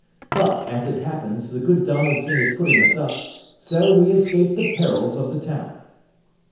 But, as it happens, the good Donaldson is putting us up, so we escape the perils of the town.